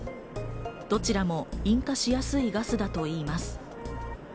どちらも引火しやすいガスだといいます。